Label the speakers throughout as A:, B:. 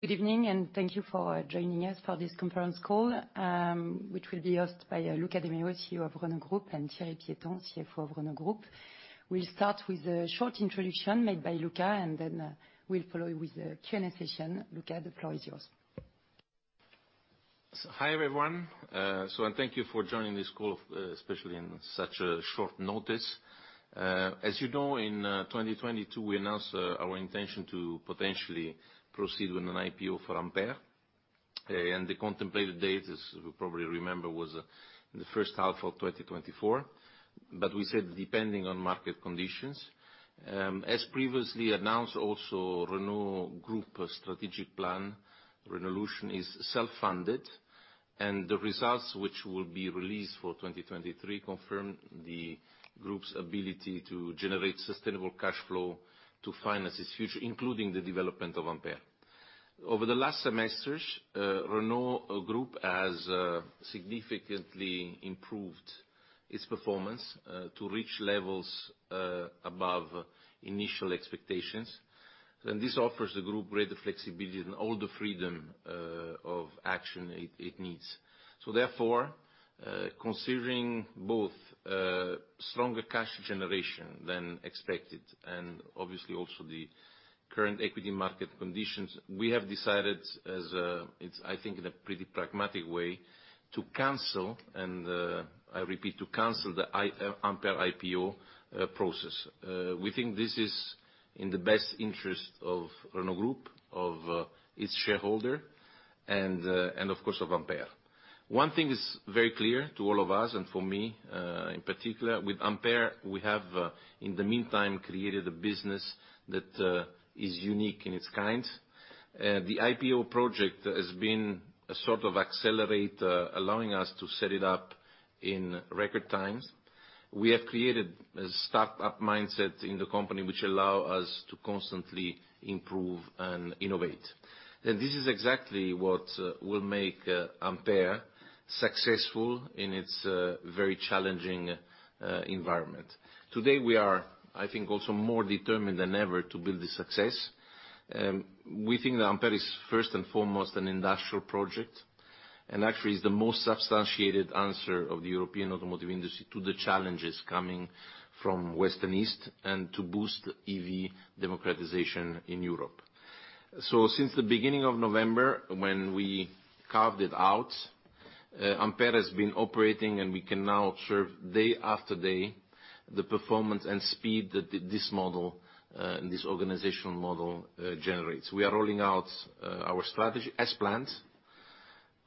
A: Good evening, and thank you for joining us for this conference call, which will be hosted by Luca de Meo, CEO of Renault Group, and Thierry Piéton, CFO of Renault Group. We'll start with a short introduction made by Luca, and then we'll follow with a Q&A session. Luca, the floor is yours.
B: So, hi, everyone. And thank you for joining this call, especially in such a short notice. As you know, in 2022, we announced our intention to potentially proceed with an IPO for Ampere. And the contemplated date, as you probably remember, was in the first half of 2024, but we said, depending on market conditions. As previously announced, also, Renault Group strategic plan, Renaulution, is self-funded, and the results, which will be released for 2023, confirm the group's ability to generate sustainable cash flow to finance its future, including the development of Ampere. Over the last semesters, Renault Group has significantly improved its performance to reach levels above initial expectations, and this offers the group greater flexibility and all the freedom of action it needs. So therefore, considering both, stronger cash generation than expected, and obviously, also the current equity market conditions, we have decided, as it's... I think, in a pretty pragmatic way, to cancel, and, I repeat, to cancel the Ampere IPO process. We think this is in the best interest of Renault Group, of its shareholder, and, and of course, of Ampere. One thing is very clear to all of us, and for me, in particular, with Ampere, we have, in the meantime, created a business that is unique in its kind. The IPO project has been a sort of accelerator, allowing us to set it up in record times. We have created a start-up mindset in the company, which allow us to constantly improve and innovate. This is exactly what will make Ampere successful in its very challenging environment. Today, we are, I think, also more determined than ever to build the success. We think that Ampere is, first and foremost, an industrial project, and actually, is the most substantiated answer of the European automotive industry to the challenges coming from West and East, and to boost EV democratization in Europe. Since the beginning of November, when we carved it out, Ampere has been operating, and we can now observe, day after day, the performance and speed that this model, this organizational model, generates. We are rolling out our strategy as planned.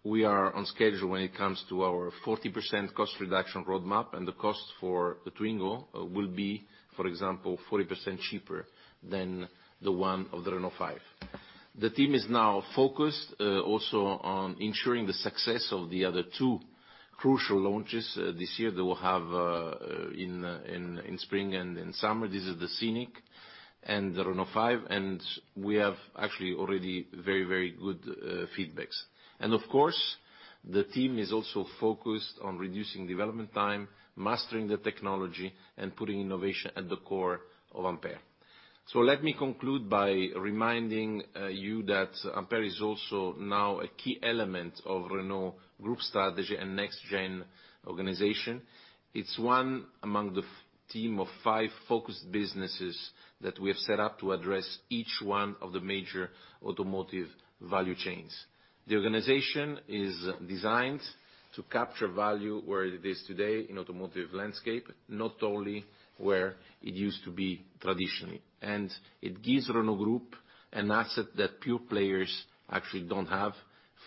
B: We are on schedule when it comes to our 40% cost reduction roadmap, and the cost for the Twingo will be, for example, 40% cheaper than the one of the Renault 5. The team is now focused, also on ensuring the success of the other two crucial launches, this year that we'll have, in spring and in summer. This is the Scenic and the Renault 5, and we have actually already very, very good feedbacks. Of course, the team is also focused on reducing development time, mastering the technology, and putting innovation at the core of Ampere. Let me conclude by reminding you that Ampere is also now a key element of Renault Group strategy and NextGen organization. It's one among the team of five focused businesses that we have set up to address each one of the major automotive value chains. The organization is designed to capture value where it is today in automotive landscape, not only where it used to be traditionally. And it gives Renault Group an asset that pure players actually don't have: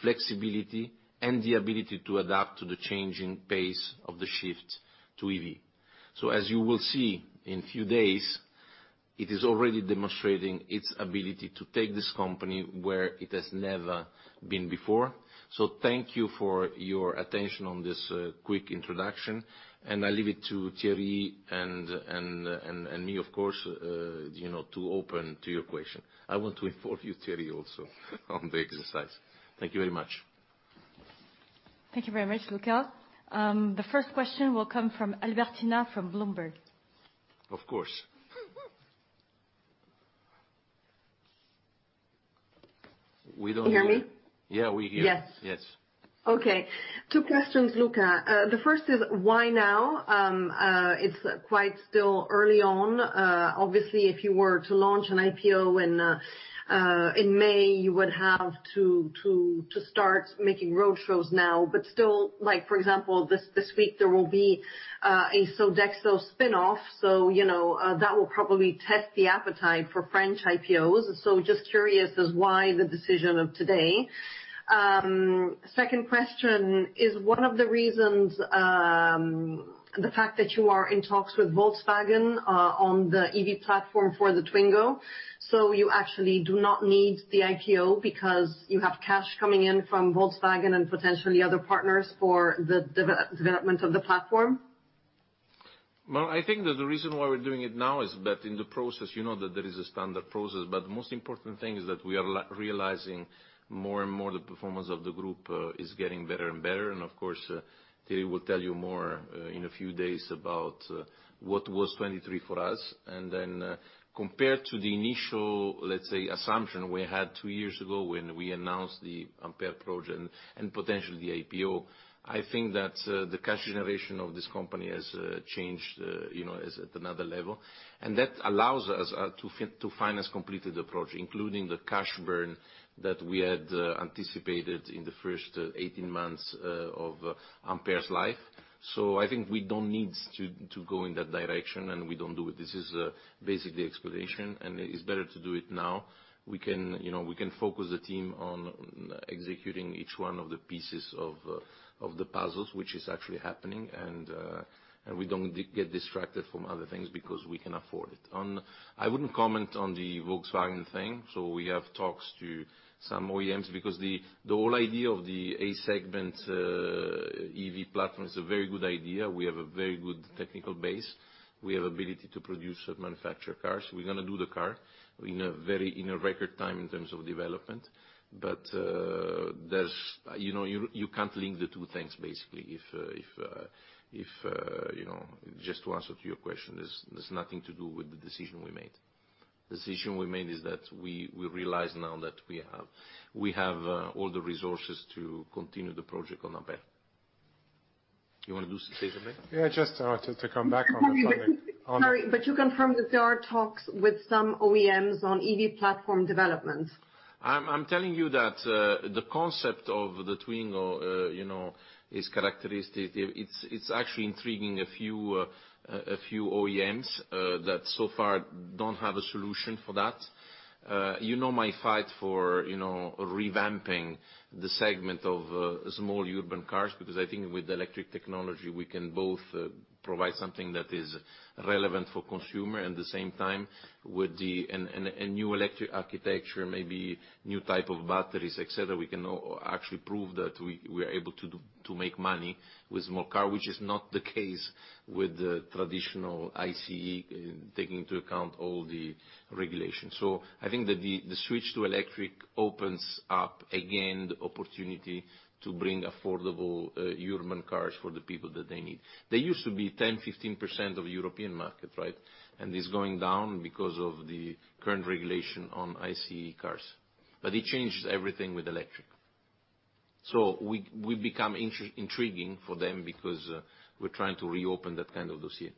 B: flexibility and the ability to adapt to the changing pace of the shift to EV. So as you will see, in few days, it is already demonstrating its ability to take this company where it has never been before. So thank you for your attention on this, quick introduction, and I leave it to Thierry and me, of course, you know, to open to your question. I want to involve you, Thierry, also, on the exercise. Thank you very much.
A: Thank you very much, Luca. The first question will come from Albertina, from Bloomberg.
B: Of course. We don't-
C: Hear me?
B: Yeah, we hear you.
A: Yes.
B: Yes.
C: Okay. Two questions, Luca. The first is, why now? It's quite still early on. Obviously, if you were to launch an IPO in May, you would have to start making roadshows now. But still, like, for example, this week, there will be a Sodexo spin-off, so, you know, that will probably test the appetite for French IPOs. So just curious as why the decision of today? Second question, is one of the reasons the fact that you are in talks with Volkswagen on the EV platform for the Twingo, so you actually do not need the IPO because you have cash coming in from Volkswagen and potentially other partners for the development of the platform?...
B: Well, I think that the reason why we're doing it now is that in the process, you know that there is a standard process, but the most important thing is that we are realizing more and more the performance of the group is getting better and better. And of course, Thierry will tell you more in a few days about what was 2023 for us. And then, compared to the initial, let's say, assumption we had two years ago when we announced the Ampere project and potentially the IPO, I think that the cash generation of this company has changed, you know, is at another level. And that allows us to finance completed the project, including the cash burn that we had anticipated in the first 18 months of Ampere's life. So I think we don't need to go in that direction, and we don't do it. This is basically explanation, and it is better to do it now. We can, you know, we can focus the team on executing each one of the pieces of the puzzles, which is actually happening, and we don't get distracted from other things because we can afford it. On... I wouldn't comment on the Volkswagen thing, so we have talks to some OEMs, because the whole idea of the A-segment EV platform is a very good idea. We have a very good technical base. We have ability to produce and manufacture cars. We're gonna do the car in a record time in terms of development, but there's, you know, you can't link the two things, basically. If you know, just to answer to your question, there's nothing to do with the decision we made. The decision we made is that we realize now that we have all the resources to continue the project on Ampere. You want to say something?
D: Yeah, just to come back on the funding...
C: Sorry, but you confirm that there are talks with some OEMs on EV platform development?
B: I'm telling you that the concept of the Twingo, you know, is characteristic. It's actually intriguing a few OEMs that so far don't have a solution for that. You know, my fight for, you know, revamping the segment of small urban cars, because I think with electric technology, we can both provide something that is relevant for consumer, at the same time, a new electric architecture, maybe new type of batteries, et cetera, we can now actually prove that we are able to do, to make money with more car, which is not the case with the traditional ICE, taking into account all the regulations. So I think that the switch to electric opens up, again, the opportunity to bring affordable urban cars for the people that they need. They used to be 10%-15% of the European market, right? It's going down because of the current regulation on ICE cars. It changes everything with electric. We become intriguing for them because we're trying to reopen that kind of dossier.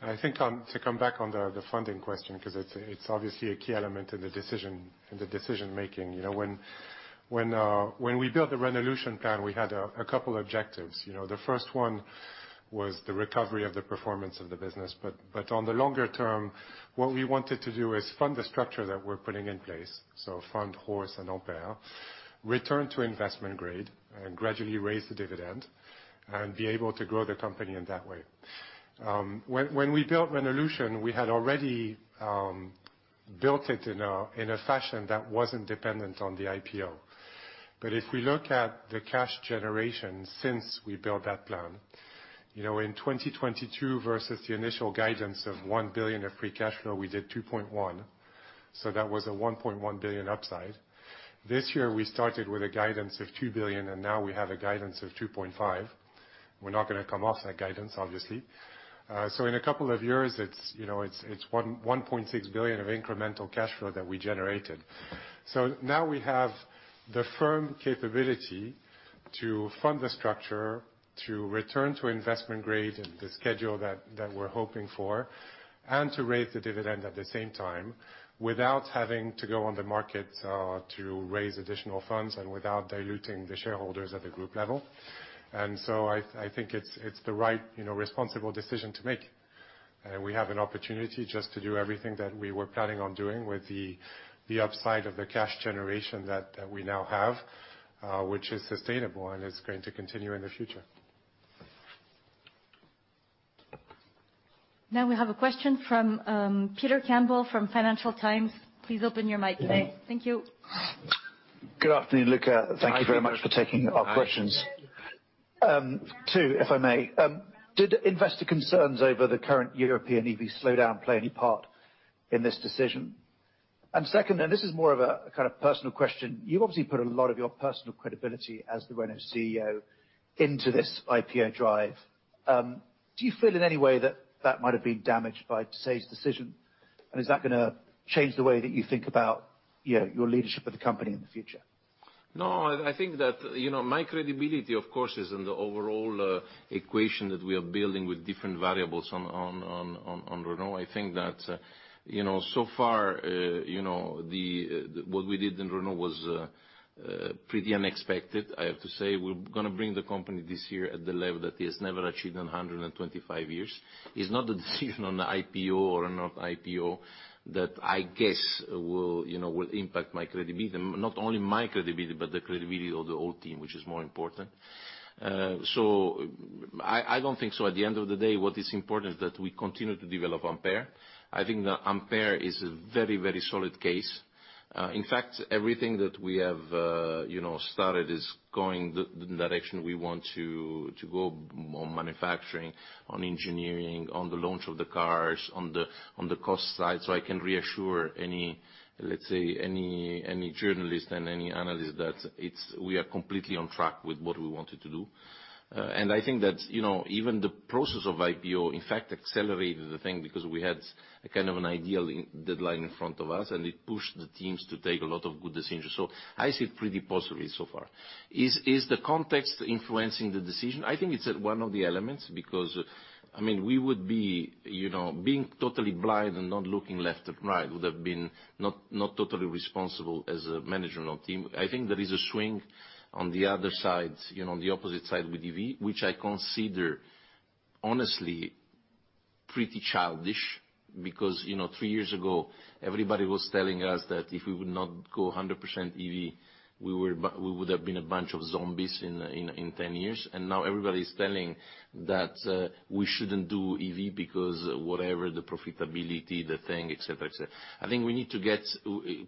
D: I think on to come back on the funding question, 'cause it's obviously a key element in the decision-making. You know, when we built the Renaulution plan, we had a couple objectives. You know, the first one was the recovery of the performance of the business, but on the longer term, what we wanted to do is fund the structure that we're putting in place, so fund Horse and Ampere, return to investment grade, and gradually raise the dividend, and be able to grow the company in that way. When we built Renaulution, we had already built it in a fashion that wasn't dependent on the IPO. But if we look at the cash generation since we built that plan, you know, in 2022 versus the initial guidance of 1 billion of free cash flow, we did 2.1, so that was a 1.1 billion upside. This year, we started with a guidance of 2 billion, and now we have a guidance of 2.5. We're not gonna come off that guidance, obviously. So in a couple of years, it's, you know, 1.6 billion of incremental cash flow that we generated. So now we have the firm capability to fund the structure, to return to investment grade and the schedule that we're hoping for, and to raise the dividend at the same time, without having to go on the market to raise additional funds and without diluting the shareholders at the group level. So I think it's the right, you know, responsible decision to make. We have an opportunity just to do everything that we were planning on doing with the upside of the cash generation that we now have, which is sustainable and is going to continue in the future.
A: Now we have a question from Peter Campbell, from Financial Times. Please open your mic, Peter. Thank you.
E: Good afternoon, Luca.
B: Hi, Peter.
E: Thank you very much for taking our questions.
B: Hi.
E: 2, if I may. Did investor concerns over the current European EV slowdown play any part in this decision? And second, and this is more of a, a kind of personal question: you've obviously put a lot of your personal credibility as the Renault CEO into this IPO drive. Do you feel in any way that that might have been damaged by today's decision? And is that gonna change the way that you think about, you know, your leadership of the company in the future?
B: No, I think that, you know, my credibility, of course, is in the overall equation that we are building with different variables on Renault. I think that, you know, so far, you know, what we did in Renault was pretty unexpected, I have to say. We're gonna bring the company this year at the level that it has never achieved in 125 years. It's not a decision on the IPO or not IPO that I guess will, you know, impact my credibility. Not only my credibility, but the credibility of the whole team, which is more important. So I don't think so. At the end of the day, what is important is that we continue to develop Ampere. I think that Ampere is a very, very solid case. In fact, everything that we have, you know, started is going the direction we want to go on manufacturing, on engineering, on the launch of the cars, on the cost side. So I can reassure any, let's say, any journalist and any analyst that it's we are completely on track with what we wanted to do. And I think that, you know, even the process of IPO, in fact, accelerated the thing because we had a kind of an ideal deadline in front of us, and it pushed the teams to take a lot of good decisions. So I see it pretty positively so far. Is the context influencing the decision? I think it's one of the elements, because, I mean, we would be, you know, being totally blind and not looking left and right would have been not, not totally responsible as a managerial team. I think there is a swing on the other side, you know, on the opposite side with EV, which I consider honestly, pretty childish, because, you know, three years ago, everybody was telling us that if we would not go 100% EV, we were ba- we would have been a bunch of zombies in, in, in 10 years. And now everybody's telling that we shouldn't do EV because whatever the profitability, the thing, et cetera, et cetera. I think we need to get...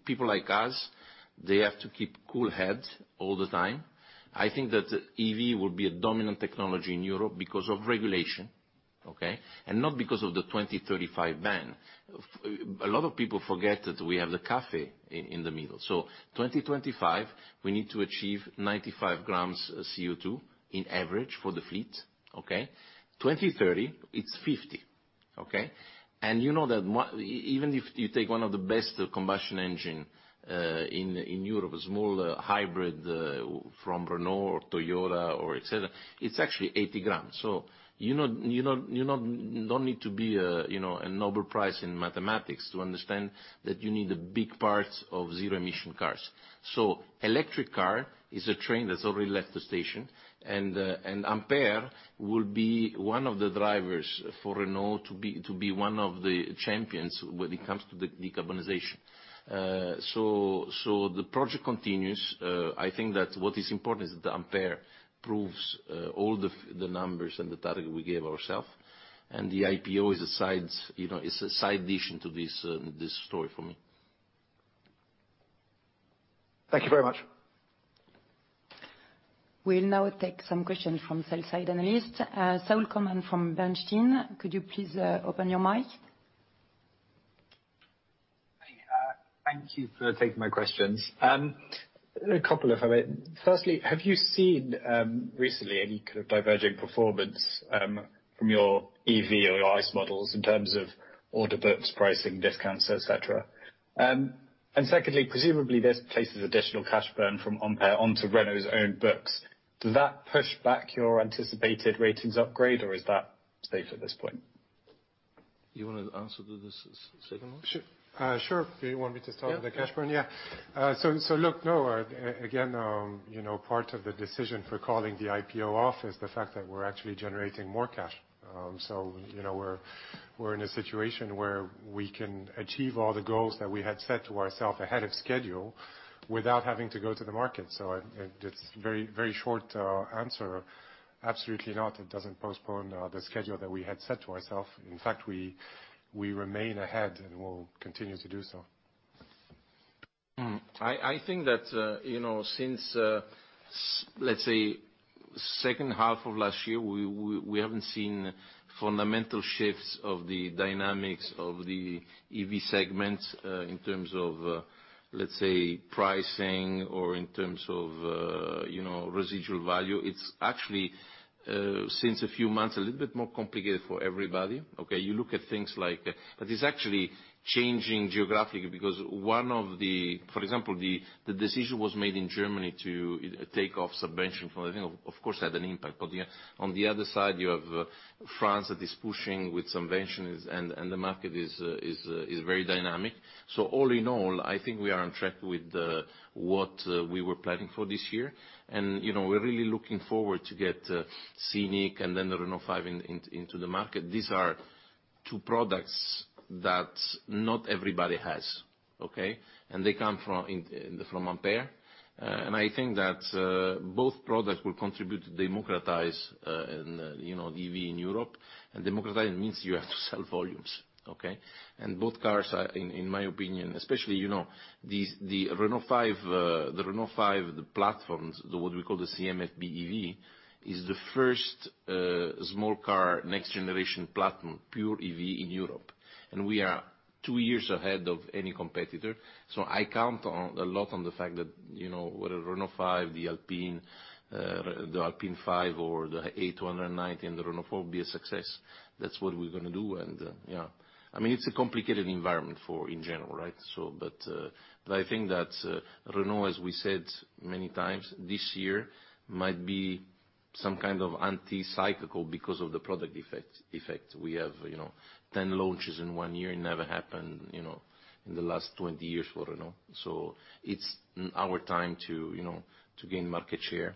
B: People like us, they have to keep cool heads all the time. I think that EV will be a dominant technology in Europe because of regulation, okay? Not because of the 2035 ban. A lot of people forget that we have the CAFE in the middle. So 2025, we need to achieve 95 grams CO2 on average for the fleet, okay? 2030, it's 50, okay? And you know that even if you take one of the best combustion engine in Europe, a small hybrid from Renault or Toyota or et cetera, it's actually 80 grams. So you know, you know, you don't need to be a, you know, a Nobel Prize in mathematics to understand that you need a big part of zero-emission cars. So electric car is a train that's already left the station, and Ampere will be one of the drivers for Renault to be one of the champions when it comes to the decarbonization. So, the project continues. I think that what is important is that Ampere proves all the numbers and the target we gave ourself, and the IPO is a side, you know, it's a side dish into this, this story for me.
E: Thank you very much.
A: We'll now take some questions from sell-side analysts. Saul Coleman from Bernstein, could you please open your mic?
F: Hi, thank you for taking my questions. A couple of them. Firstly, have you seen recently any kind of diverging performance from your EV or your ICE models in terms of order books, pricing, discounts, et cetera? And secondly, presumably, this places additional cash burn from Ampere onto Renault's own books. Does that push back your anticipated ratings upgrade, or is that safe at this point?
B: You want to answer to this second one?
D: Sure. Sure. You want me to start with the cash burn?
B: Yeah.
D: Yeah. So, look, no, again, you know, part of the decision for calling the IPO off is the fact that we're actually generating more cash. So, you know, we're in a situation where we can achieve all the goals that we had set to ourself ahead of schedule without having to go to the market. So it, it's very, very short answer, absolutely not. It doesn't postpone the schedule that we had set to ourself. In fact, we remain ahead and will continue to do so.
B: I think that, you know, since let's say second half of last year, we haven't seen fundamental shifts of the dynamics of the EV segment in terms of, let's say, pricing or in terms of, you know, residual value. It's actually since a few months a little bit more complicated for everybody, okay? You look at things like, but it's actually changing geographically, because one of the... For example, the decision was made in Germany to take off some incentives from, of course, had an impact. But on the other side, you have France that is pushing with some incentives, and the market is very dynamic. So all in all, I think we are on track with what we were planning for this year. You know, we're really looking forward to get Scenic and then the Renault 5 into the market. These are two products that not everybody has, okay? And they come from Ampere. And I think that both products will contribute to democratize and, you know, EV in Europe. And democratizing means you have to sell volumes, okay? And both cars are, in my opinion, especially, you know, the Renault 5, the Renault 5, the platforms, the what we call the CMF-B EV, is the first small car, next generation platform, pure EV in Europe. And we are two years ahead of any competitor. So I count on a lot on the fact that, you know, the Renault 5, the Alpine, the Alpine A290 and the Renault 4 will be a success. That's what we're gonna do, and, yeah. I mean, it's a complicated environment for in general, right? But I think that, Renault, as we said many times, this year, might be some kind of anti-cyclical because of the product effect, effect. We have, you know, 10 launches in 1 year, it never happened, you know, in the last 20 years for Renault. So it's our time to, you know, to gain market share,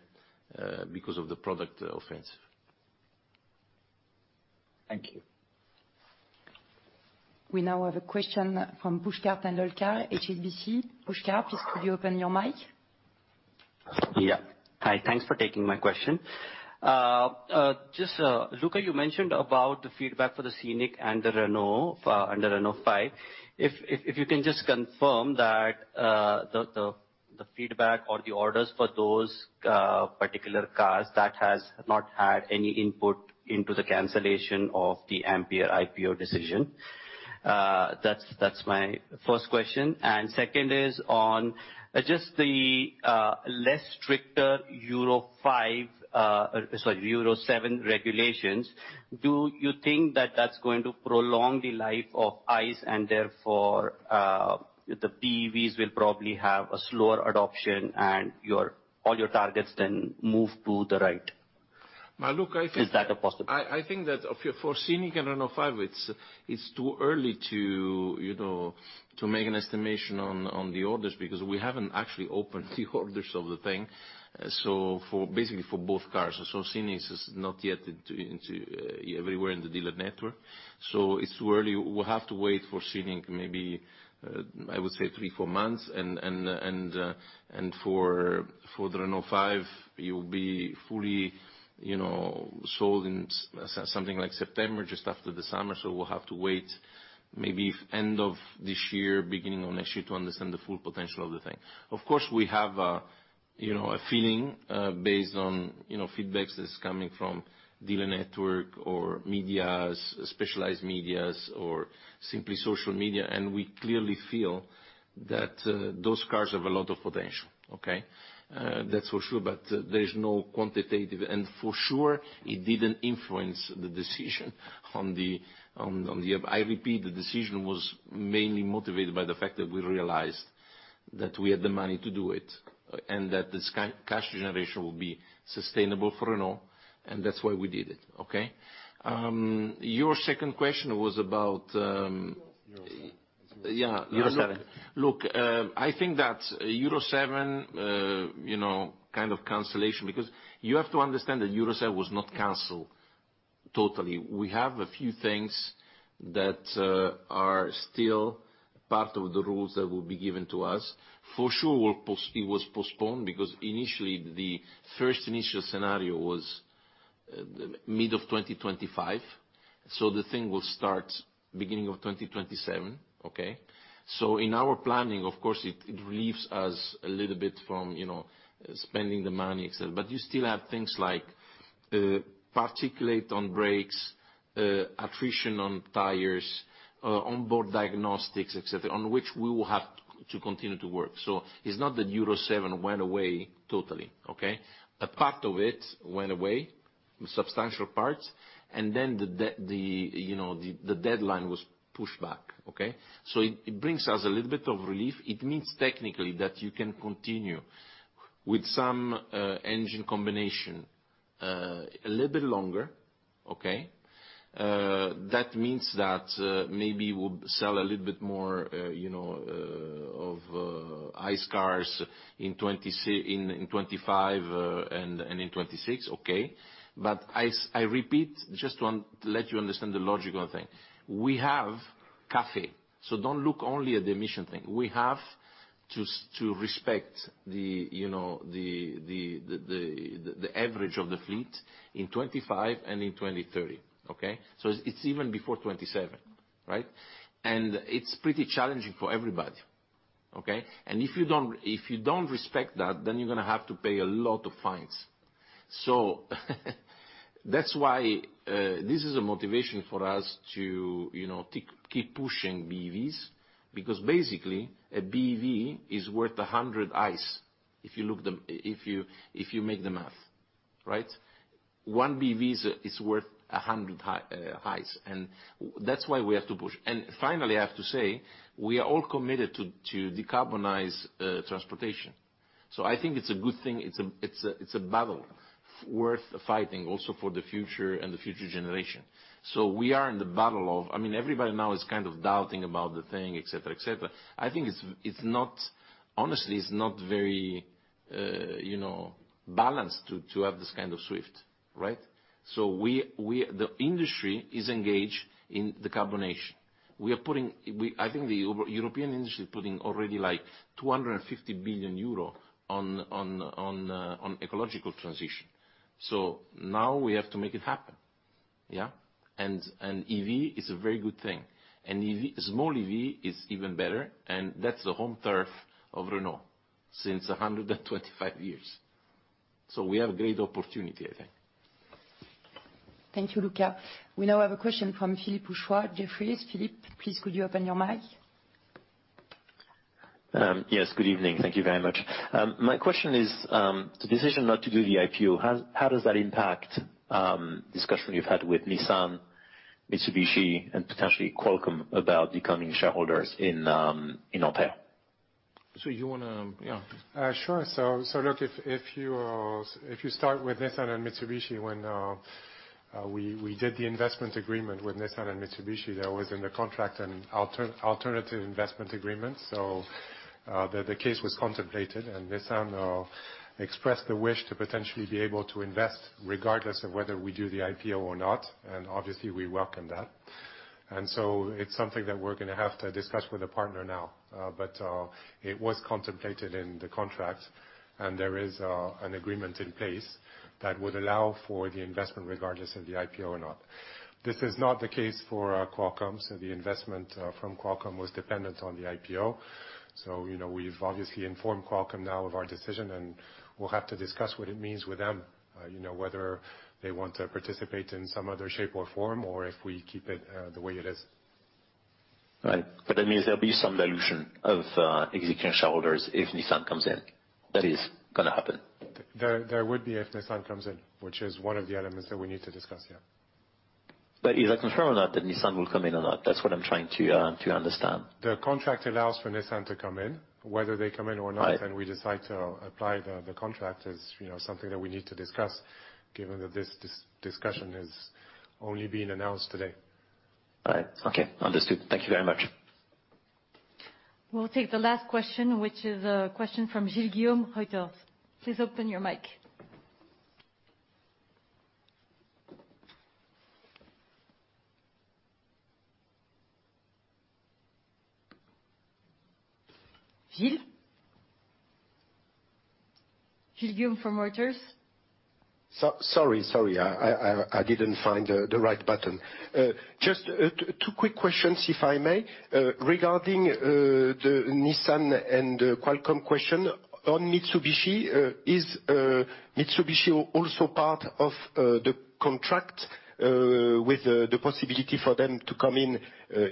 B: because of the product, offensive. Thank you.
A: We now have a question from Pushkar Tendolkar, HSBC. Pushkar, please, could you open your mic?
G: Yeah. Hi, thanks for taking my question. Just, Luca, you mentioned about the feedback for the Scenic and the Renault, and the Renault 5. If you can just confirm that, the feedback or the orders for those particular cars, that has not had any input into the cancellation of the Ampere IPO decision. That's my first question. And second is on just the less stricter Euro 5, sorry, Euro 7 regulations. Do you think that that's going to prolong the life of ICE, and therefore, the BEVs will probably have a slower adoption, and all your targets then move to the right?
B: Well, look, I think-
G: Is that a possibility?
B: I think that for Scenic and Renault 5, it's too early to you know to make an estimation on the orders, because we haven't actually opened the orders of the thing. So basically for both cars. So Scenic is not yet into everywhere in the dealer network, so it's early. We'll have to wait for Scenic, maybe I would say 3-4 months. And for the Renault 5, it will be fully you know sold in something like September, just after the summer. So we'll have to wait maybe end of this year, beginning of next year, to understand the full potential of the thing. Of course, we have, you know, a feeling based on, you know, feedback that's coming from dealer network or media, specialized media, or simply social media, and we clearly feel that those cars have a lot of potential, okay? That's for sure, but there is no quantitative... For sure, it didn't influence the decision on the IPO. I repeat, the decision was mainly motivated by the fact that we realized that we had the money to do it, and that this cash generation will be sustainable for Renault, and that's why we did it, okay? Your second question was about,
D: Euro 7.
B: Yeah.
G: Euro 7.
B: Look, I think that Euro 7, you know, kind of cancellation, because you have to understand that Euro 7 was not canceled totally. We have a few things that are still part of the rules that will be given to us. For sure, it was postponed because initially, the first initial scenario was, mid-2025, so the thing will start beginning of 2027, okay? So in our planning, of course, it relieves us a little bit from, you know, spending the money, et cetera. But you still have things like, particulate on brakes, attrition on tires, onboard diagnostics, et cetera, on which we will have to continue to work. So it's not that Euro 7 went away totally, okay? A part of it went away, substantial parts, and then the, you know, the deadline was pushed back, okay? So it brings us a little bit of relief. It means technically that you can continue with some engine combination a little bit longer, okay? That means that maybe we'll sell a little bit more, you know, of ICE cars in 2025 and in 2026, okay? But I repeat, just to let you understand the logical thing. We have CAFE, so don't look only at the emission thing. We have to respect the, you know, the average of the fleet in 2025 and in 2030, okay? So it's even before 2027, right? And it's pretty challenging for everybody, okay? And if you don't, if you don't respect that, then you're gonna have to pay a lot of fines. So that's why this is a motivation for us to, you know, keep, keep pushing BEVs, because basically, a BEV is worth 100 ICE, if you look the... If you, if you make the math, right? 1 BEV is, is worth 100 ICE, and that's why we have to push. And finally, I have to say, we are all committed to, to decarbonize transportation. So I think it's a good thing. It's a, it's a, it's a battle worth fighting also for the future and the future generation. So we are in the battle of... I mean, everybody now is kind of doubting about the thing, et cetera, et cetera. I think it's not, honestly, it's not very, you know, balanced to have this kind of shift, right? So the industry is engaged in decarbonation. We are putting- I think the European industry is putting already, like, 250 billion euro on ecological transition. So now we have to make it happen, yeah? And EV is a very good thing. And EV- small EV is even better, and that's the home turf of Renault since 125 years. So we have a great opportunity, I think.
A: Thank you, Luca. We now have a question fromt Philippe Houchois, Jefferies. Philippe, please, could you open your mic?
H: Yes. Good evening. Thank you very much. My question is, the decision not to do the IPO, how does that impact discussion you've had with Nissan, Mitsubishi, and potentially Qualcomm about becoming shareholders in Ampere?
B: You wanna... Yeah.
D: Sure. So look, if you start with Nissan and Mitsubishi, when we did the investment agreement with Nissan and Mitsubishi, there was in the contract an alternative investment agreement, so the case was contemplated. And Nissan expressed the wish to potentially be able to invest, regardless of whether we do the IPO or not, and obviously, we welcome that... And so it's something that we're going to have to discuss with the partner now, but it was contemplated in the contract, and there is an agreement in place that would allow for the investment, regardless of the IPO or not. This is not the case for Qualcomm, so the investment from Qualcomm was dependent on the IPO. So, you know, we've obviously informed Qualcomm now of our decision, and we'll have to discuss what it means with them. You know, whether they want to participate in some other shape or form, or if we keep it, the way it is.
H: Right. But that means there'll be some dilution of existing shareholders if Nissan comes in. That is going to happen?
D: There would be if Nissan comes in, which is one of the elements that we need to discuss, yeah.
H: But is it confirmed or not, that Nissan will come in or not? That's what I'm trying to understand.
D: The contract allows for Nissan to come in. Whether they come in or not-
H: Right.
D: We decide to apply the contract, you know, is something that we need to discuss, given that this discussion is only being announced today.
H: All right. Okay, understood. Thank you very much.
A: We'll take the last question, which is a question from Gilles Guillaume, Reuters. Please open your mic. Gilles? Gilles Guillaume from Reuters.
I: Sorry, I didn't find the right button. Just two quick questions, if I may. Regarding the Nissan and Qualcomm question, on Mitsubishi, is Mitsubishi also part of the contract with the possibility for them to come in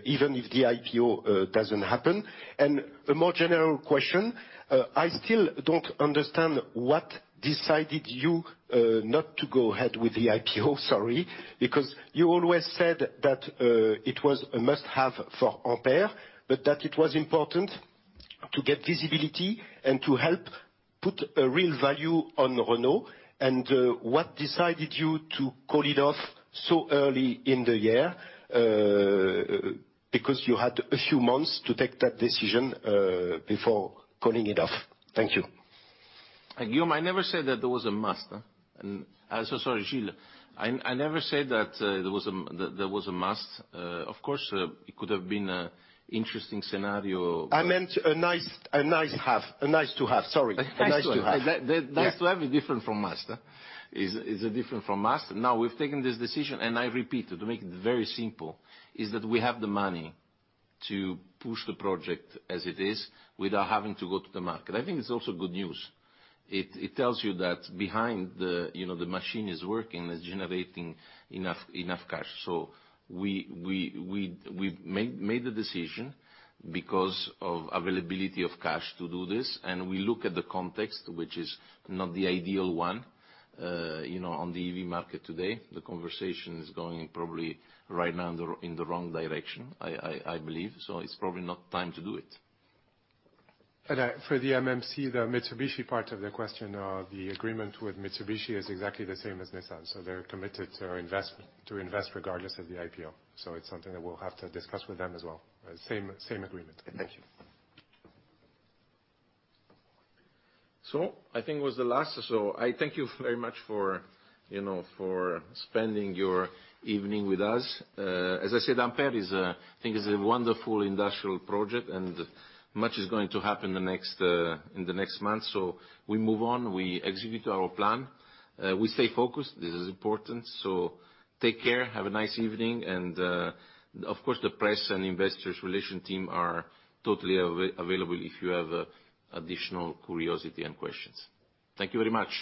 I: even if the IPO doesn't happen? And a more general question: I still don't understand what decided you not to go ahead with the IPO? Sorry. Because you always said that it was a must-have for Ampere, but that it was important to get visibility and to help put a real value on Renault. And what decided you to call it off so early in the year? Because you had a few months to take that decision before calling it off. Thank you.
B: Gilles, I never said that there was a must. So sorry, Gilles. I never said that there was a must. Of course, it could have been a interesting scenario.
I: I meant a nice to have. Sorry. A nice to have.
B: Nice to have is different from must, is, is different from must. Now, we've taken this decision, and I repeat, to make it very simple, is that we have the money to push the project as it is without having to go to the market. I think it's also good news. It, it tells you that behind the... You know, the machine is working, it's generating enough, enough cash. So we, we, we, we made, made the decision because of availability of cash to do this, and we look at the context, which is not the ideal one, you know, on the EV market today. The conversation is going probably right now in the, in the wrong direction, I, I, I believe, so it's probably not time to do it.
D: For the MMC, the Mitsubishi part of the question, the agreement with Mitsubishi is exactly the same as Nissan. So they're committed to invest, regardless of the IPO. So it's something that we'll have to discuss with them as well. Same, same agreement.
I: Thank you.
B: So I think it was the last. So I thank you very much for, you know, for spending your evening with us. As I said, Ampere is, I think is a wonderful industrial project, and much is going to happen the next, in the next months. So we move on, we execute our plan, we stay focused. This is important, so take care, have a nice evening, and, of course, the press and investor relations team are totally available if you have additional curiosity and questions. Thank you very much.